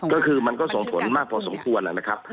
ผมโฆษณ์มากพอสมควรนะนะครับ